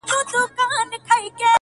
ساقي نن مه کوه د خُم د تشیدو خبري،